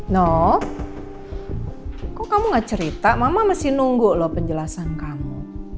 no kok kamu gak cerita mama masih nunggu loh penjelasan kamu